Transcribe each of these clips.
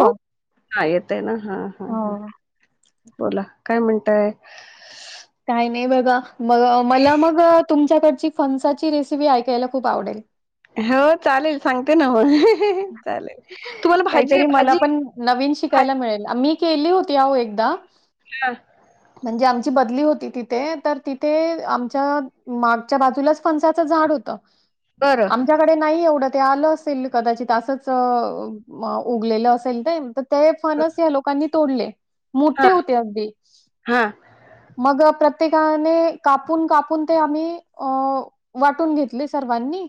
हो का येत आहे ना हा हा हो हा बोला काय म्हणताय? काय नाही बघा मग मला मग तुम तुमच्याकडची फनसाची रेसिपी ऐकायला खूप आवडेल. हो चालेल सांगते ना मग चालेल तुम्हाला भाजी काहीतरी मला भाजी पण नवीन शिकायला भाजी मिळेल आम्ही केली होती अहो एकदा म्हणजे आम बदली होती तिथे तर तिथे आमच्या मागच्या बाजूलाच फणसाच झाड होत. बरं आमच्याकडे नाही एवढं ते आलो असेल कदाचित तसच उगलेलं असेल ते ते फणस या लोकांनी तोडले हा मोठे होते अगदी हा मग प्र- -त्येकाने कापून कापून ते आम्ही अ वाटून घेतले सर्वांनी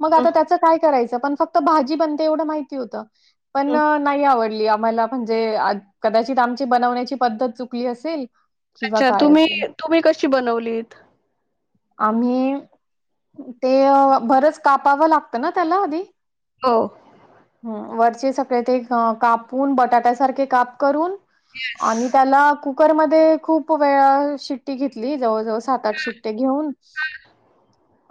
मग हम्म आता त्याच काय करायचं पण फक्त भा- -जी बनते एवढं माहिती होतं. पण हम्म नाही आवडली आम्हाला म्हणजे कदाचित आमची बनवण्याची पद्धत चुकली असेल. किंवा अच्छा काय तुम्ही असेल. तुम्ही कशी बनवलीत? आम्ही ते बरंच कापावं लागतं ना त्याला आधी हो वरचे सगळे ते कापून बटाट्या सारखे काप करून आणि त्याला कु - -करमध्ये खूप वेळा शिट्टी घेतली जवळजवळ सात आठ शिट्ट्या घेऊन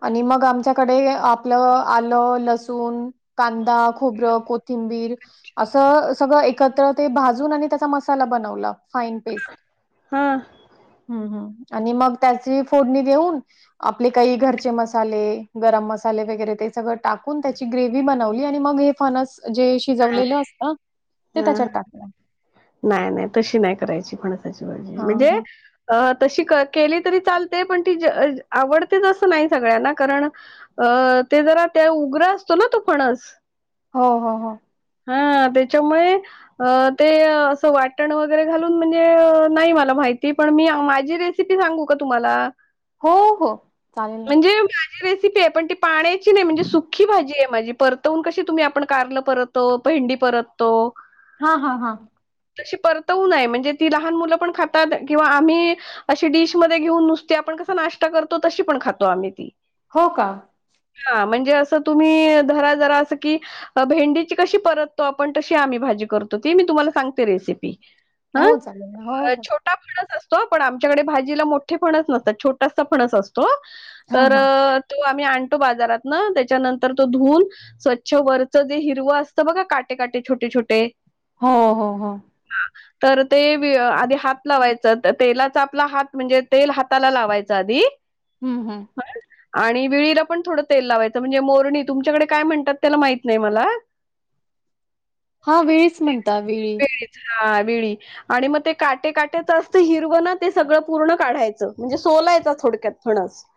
आणि मग आमच्या- -कडे आपलं आलं लसूण कांदा खोबरं कोथिंबीर असं सगळं एकत्र ते भाजून आणि त्याचा मसाला बनवला. फाइन पेस्ट हा हम्म हम्म आणि मग त्याची फोडणी देऊन आपले काही घरचे मसाले, गरम मसाले वगैरे ते सगळं टाकून त्याची ग्रे- -व्ही बनवली आणि मग हे फणस शिजवलेलं असतं ते ह त्याच्यात टाकलं. नाही नाही तशी नाही करायची फण- -साची भाजी हां म्हणजे हां. अ तशी केली तरी चालते पण ती आवडतेच असं नाही सगळ्यांना कारण अ ते जरा त्या उग्र असतो ना तो फणस हो हो हो हा त्याच्यामुळे अ ते असं वाटण वगैरे घालून म्हणजे नाही मला माहिती पण मी माझी रेसिपी सांगू का तुम्हाला? हो हो चालेल ना म्हणजे माझी पण ते पाण्याची नाही म्हणजे सुखी भाजी आहे. माझी परतवून कशी तुम्ही आपण कारलं परत- -तो, भेंडी परततो हा हा हा तशी परतवून आहे म्हणजे ती लहान मुलं पण खातात किंवा आम्ही अशी डिशमध्ये घेऊन नुसती आपण कसा नाश्ता करतो तशी पण खातो आम्ही ती. हो का? अस तुम्ही धरा जरा अस की भेंडी कशी परततो आपण तशी आम्ही भाजी करतो ती मी तुम्हाला सांगते रेसिपी ह हो चालेल ना. हो, हो. छोटा फणस असतो पण आमच्याकडे भाजीला मोठे फणस नसतात छोटासा फणस असतो हां, तर हां. अ तो आम्ही आणतो बाजारात ना त्याच्यानंतर तो धुूण स्वच्छ वरच जे हिरव ते बघ काटे काटे छोटे छोटे हो हो हो तर ते आधी हात लावायचं तेलाचा आपला हात म्हणजे तेल हाताला लावायचं आधी हं, हं. आणि विळीला पण थोडं तेल लावायचं म्हणजे मोरणी तुमच्याकडे काय म्हणतात त्याला माहित नाही मला हा वेळीच म्हणता वेळी विळीच हा वेळी आणि मग ते काटे काट्याचं असतं हिरवं ना ते सगळं पूर्ण काढायचं म्हणजे सोलायच थोडक्यात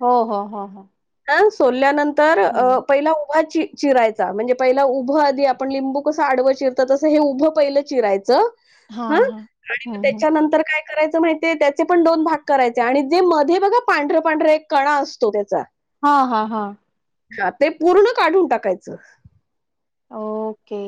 हो हो हो हो सोडल्यानंतर हं. तर पहिला उभ चिरायचा म्हणजे पहिला उभं आदी आपण लिंबू कसं आडवं चिरत तसं हे उभं पहिलं चिरायचं हा हां, हां. आणि मग हं, हं. त्याच्यानंतर काय करायचं माहिती ते त्याचे पण दोन भाग करायचे आणि जे मध्ये बघा पांढरं पांढर एक कणा असतो त्याचा हा हा हा ते पूर्ण काढून टाकायचं ओके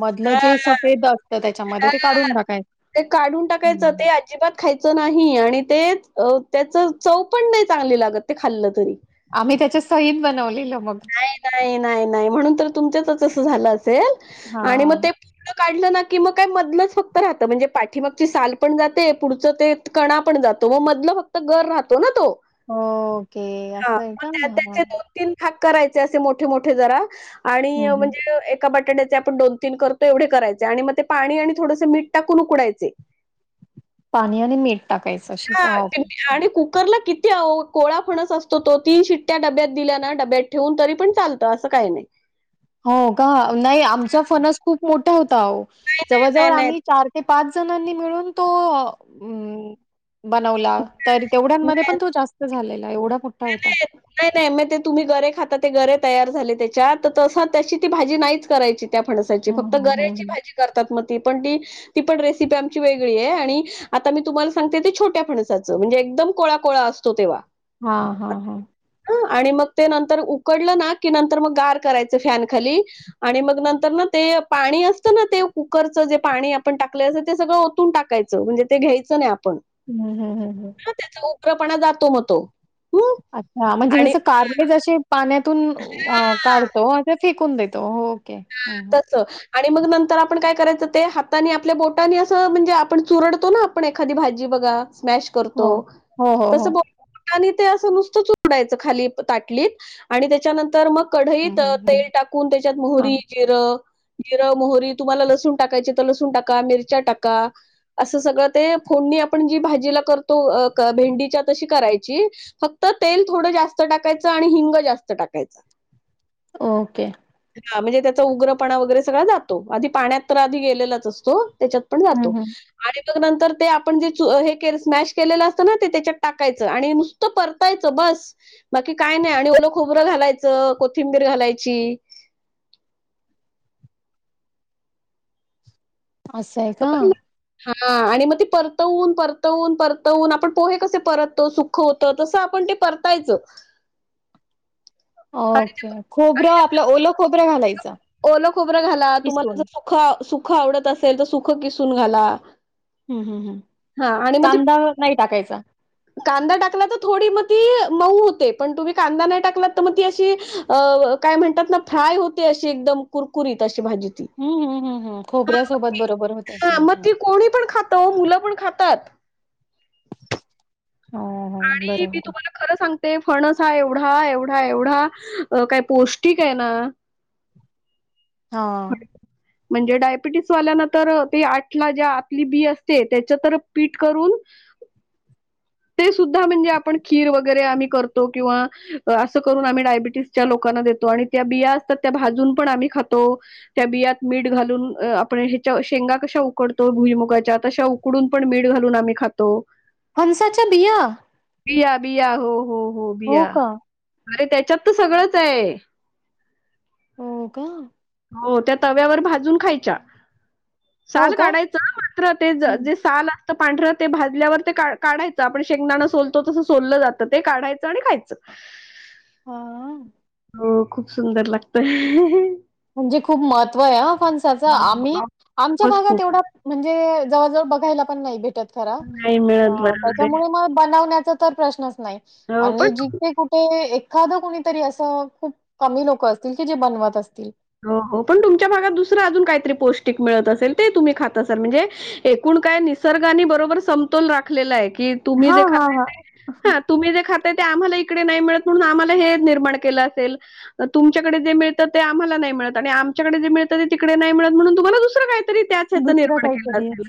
मधलं हा जे सफेद असतं त्याच्यामध्ये हा ते काढून टाकायचं. ते काढून टाकायचं हं. ते अजिबात खायच नाही आणि ते त्याच चव पण नाही चांगली लागत ते खाल्लं तरी आम्ही त्याच्या सहीद बनवलेलं मग तुमच्यात असं झालं असेल हा आणि मग ते पूर्ण काढलं ना की मग काय मधलंच फक्त राहतं म्हणजे पाठीमागची साल पण जाते पुढचं ते कणा पण जातो म मधलं फक्त गर राहतो ना तो ओके हां, असं आहे मग का त्या त्याचे भाग करायचे असे मोठे मोठे जरा आणि हं, हं. म्हणजे बटाट्याचे आपण दोन तीन करतो एवढे करायचे आणि मग ते पाणी आणि थोडस मीठ टाकून उकडायचे पाणी आणि मीठ टाकायचं अशीच ओके कोळाया फणस असतो तो तीन शिट्ट्या डब्यात दिल्या ना डब्यात ठेवून तरी पण चालतं असं काही नाही हो का नाही आमचा फणस खूप मोठा होता नाही, जववळ नाही, नाही, आम्ही चार ते पाच पाच जणांनी मिळून तो बनवला तर नाही. तेवढ्यांमध्ये नाही, पण तो जास्त झालेला एवढा पट्टा होता नाही नाही मग ते तुम्ही गरे खाता ते गरे तयार झाले त्याच्यात तर तसं त्याची ती भाजी नाहीच करायची त्या फणसाची हं, फक्त हं, हं, गऱ्याची हं. भाजी करतात मग त पण ती ती पण रेसिपी आमची वेगळी आहे आणि आता मी तुम्हाला सांगते ते छोट्या फणसाचं म्हणजे एकदम कोळा कोळा असतो तेव्हा हा हा हा आणि मग ते नंतर उकडलं ना की नंतर मग गार करायचं फॅन खाली आणि मग नंतर ना ते पाणी असतं ना ते कुकरचं जे पाणी आपण टाकले असं ते सगळं ओतून टाकायचं म्हणजे ते घ्यायचं नाही आप हम्म हम् हम्म हम् पणा जातो मग तो हं अच्छा हा म्हणजे आणि जसं कारले जे पाण्यात काढतो कोून देतो हो हं, हं. हा तस आणि मग नंतर आपण काय करायचं ते हातानी आपल्या बोटानी असं म्हणजे आपण चुरडतो ना आपण एखादी भाजी बघा स्मॅश करतो हो. हो, हो, हो. तस बोलो आणि ते असं नुसतं चोडायचं खाली ताटलीत आणि त्याच्यानंतर मग हं, हं, कढईत हं. तेल बरोबर. टाकून त्याच्यात हां. मोहरी जिर मोहरी तुम्हाला लसूण टाकायची तर लसूण टाका मिरच्या टाका असं सगळं ते फोडणी आपण जी भाजीला करतो भेंडीच्या तशी करायची फक्त तेल थोडं जास्त टाकायचं आणि हिंग जास्त टाकायचं ओके ह म्हणजे उग्रपणा वगैरे सगळ जातो आधी पाण्यात तर आधी गेलेलाच असतो त्याच्यात पण हं, जातो हं. अरे नंतर ते आपण जे स्मॅश केलेलं असतं ना ते त्याच्यात टाकायचं आणि नुसतं परतायचं बस बाकी काय नाही आणि ओल खोबरं घालायचं कोथिंबीर घालायची असंय का हा आणि मग ते परतवून परतवून परतवून आपण पोहे कसे परतो सुख होत तसं आपण ते परतायचं आणि ओके खोबरं आपलं ओल खोब ालाय ओल खोबरं घाला तुम्हालाख सुख आवडत असेल तर सुख किसून घाला हम्म हम्म हम् हां आणि मग ते कांदा नाही टाकायचा कांदा टाकला तर थोडी मग ती मऊ होते पण तुम्ही कांदा नाही टाकलात तर मग ती अशी काय म्हणतात ना फ्राय होते अशी एकदम कुरकुरीत अशी हम्म हम्म हम्म हम्म खोबऱ्यासोबत बरोबर होतं हम्म मग हम्म. ती कोणी पण खात मुलं पण खातात हो हो आणि मी बरोबर तुम्हाला खरं सांग ते फणस हा एवढा, एवढा, एवढा काय पौष्टिकय ना, हा म्हणजे डायबिटीस वाल्याना तर ते आठला ज्या आपली बी असते त्याच्या तर पीठ करून, ते सुद्धा म्हणजे आपण खीर वगैरे आम्ही करतो किंवा असं करून आम्ही डायबिटीसच्या लोकांना देतो आणि त्या बिया असतात त्या भाजून पण आम्ही खातो. त्या बियात मीठ घालून आपण ह्याच्या शेंगा कशा उकडतो भुईमुगाच्या तशा उकडून पण मीठ घालून आम्ही खातो. फणसाच्या बिया? बिया- बिया हो- हो. हो बीया, अरे त्याच्यात तर सगळंचय. हो का. हो त्या तव्यावर भाजून खायच्या. हो साल का? काढायचं अं मात्र ते ज हम्म जे साल पांढर ते भाजल्यावर ते का काढायचं आपण शेंगदाणां सोलतो तसं सोललं जातं ते काढायचं आणि खायचं. [unintelligible] हो खूप सुंदर लागतय. [unintelligible] म्हणजे खूप महत्वय अं. फणसाच. आम्ही खूपच आमच्या भागात खूप एवढा म्हणजे जव जवळ बघायला, पण नाही भेटत. जरा नाही मिळत बरोबर आहे त्याच्यामुळे मग बनवण्यात, तर प्रश्न नाही हो आणि पण जिथे कुठे ये एखादं कुणीतरी असं खूप कमी लोक असतील की जे बनवत असतील. हो पण तुमच्या भागात दुसरं अजून काहीतरी पौष्टिक मिळत असेल, ते तुम्ही खाता असाल म्हणजे एकूण काय निसर्गाने बरोबर समतोल राखलेलाय. की तुम्ही हा जे हा खाताय हा ते, हा तुम्ही जे खात ते आम्हाला इकडे नाही मिळत म्हणून आम्हाला हे निर्माण केल असेल. तुमच्याकडे जे मिळतं ते आ आमला नाही मिळत आणि आमच्याकडे जे मिळत ते तिकडे नाही मिळत म्हणून तुम्हाला दुसरं काय त तरी त्याच हेच दुसरं निर्माण केल काहीतरी असेल.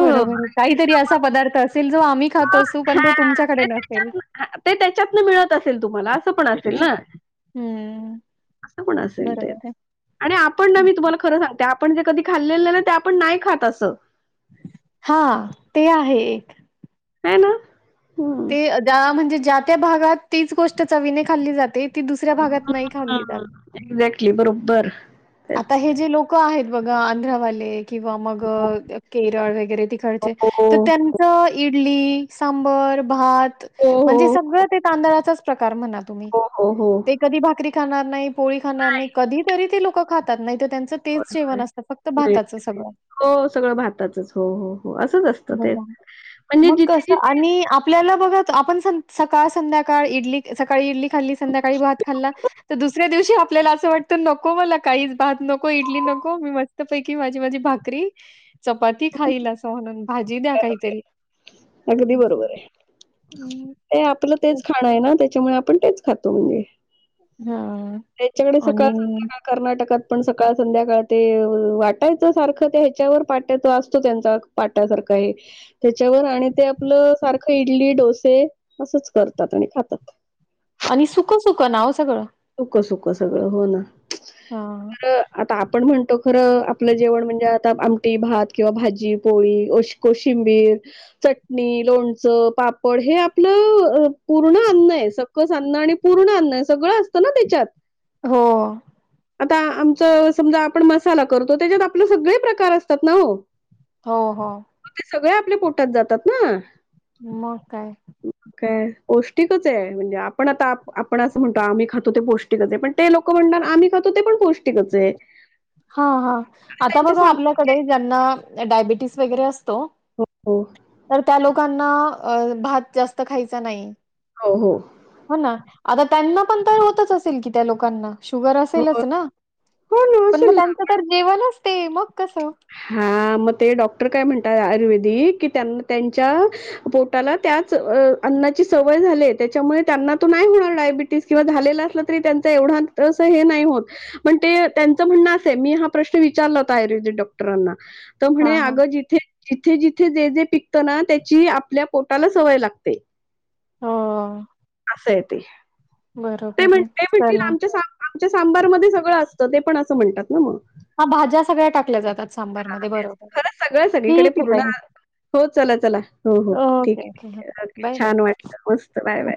बरोबर आहे. काहीतरी असा पदार्थ असेल जो आम्ही खात असू, पण तो तुमच्याकडे नसेल. ते त्याच्यातन मिळत असेल तुम्हाला अस पण असेल ना. हं, बरोबर [unintelligible] आहे. आणि आपण न तुम्हाला खरं सांगते आपण जे कधी खाल्लेल न ते आपण नाही खात असं. हा, ते आहे एक. हाय ना? हम्म. ते द म्हणजे, ज्या त्या भागात तीच गोष्ट चवीने खाल्ली जाते. ज्या [unintelligible] एक्झॅक्टली, बरोबर. आता तेच हे जे लोकं आहे त बघा आंध्रावाले ते किंवा मग केरळ वगैरे तिकडचे हो तर हो त्यांच इ इडली सांबर भात. हो म्हणजे हो सगळं ते तांदळाच तर म्हणा तुम्ही हो हो हो. ते कधी भाकरी ठणार नाही पोळी खाणार नाही कधी तरी ते लो [unintelligible] क खातात नाही त त्यांचं तेच होय, जेवण होय. असतं फक्त नाही, भाताचं सगळं. हो सगळं भाताचंच हो हो हो असंच असतं तेच बघा म्हणजे मग जिथे कसं जिथे आणि आपल्याला बघा आपण सकाळ संध्याकाळ इड सकाळीडली खाल्ली संध्याकाळी भात खल् दुस्याव आपल्याला अस वाटत नको काहीच भात नको इडली नको मी मस्त पैकी माझी माझी भाकरी चपाती खाईल असं म्हण भाजी द्या काहीतरी अगदी असं. बरोबर आहे हं, ते आपलं तेच खाणं आहे ना त्याच्यामुळे आपण तेच खातो म्हणजे हां त्यांच्याकडे सकाळ आणि संध्याकाळ कर्नाटकात पण सकाळ संध्याकाळात ते वाटायचं सारखं ते ह्याच्यावर पाट्यात असतो त्यांचा पाट्यासारखं हे त्याच्यावर आणि ते आपलं सारखं इडली डोसे असंच करतात आणि खातात आणि सुख सुख नाव सगळं सुक सुकं सगळं हो ना हां. तर आता आपण म्हणतो खरं आपलं जेवण म्हणजे आता आमटी भात किंवा भाजी पोळी शको शिंबीर चटणी लोणचं पापड हे आपलं पूर्ण अन्न आहे सकस अन्न आणि पूर्ण अन्न आहे सगळं अस ना त्याच्यात [unintelligible] हो आता आमचं समजा आपण मसाला करतो त्याच्यात आपले सगळे प्रकार असतात ना हो, हो हो ते सगळे आपल्या पोटात जातात ना म काय पौष्टिकच आहे म्हणजे आपण आता आपण असं म्हणतो आम्ही ख ते पौष्टिकच आहे पण ते लोक म्हनार आम्ही खातो ते पण पौष्टिकच आहे. हा हा आता त्यांच्या बघा साम आपल्याकडे ज्यांना डाबेटीस वगैरे अस हो त्या लोकां भात जास्त खायचा नाही. हो हो हो ना. आता त्यांना पण तर होतच असेल की त्या लोकांना शुगर हो असेलच ना. हो पण म त्यांच तर जेवणच- ते मग कसं? हा मग ते डॉक्टर काय म्हणतात- आयुर्वेदिक की, त्यांन् त्यांच्या पोटाला त्याच अन्नाची सवय झाली. त्याच्यामुळे त्यांना तो नाही होणार डायबिटीस किंवा झालेला असला तरी त्यांच एवढा हे नाही होत पण ते त्यांचं म्हणणं असंय मी हा प्रश्न विचारला होता आयुर्वेदिक डाॅक्- क्टरांना. तर म्हणे, हां, हां. अगं जिथे जिथे जिथे जे-जे पिकतं ना त्याची आपल्या पोटाला सवय लागते. हं. असंय ते‌. ते म्हटलय म्हणतील चला आमच्या आमच्या सांबा् सांबारमध्ये सगळं असतं ते पण अस्- असं म्हणतात. ना मग. हा भाज्या सगळ्या टाकल्या जातात सांबार हां मधे तेच. बरोबर हाय. खरंच सगळं सगळीकडे ठीक आहे पूर्ण ताई. हो चला, चला. हो, हो. ठीक ओके आहे, ओके ठीक हं आहे. ओके. Bye bye. छान वाटलं. मस्त. Bye, bye.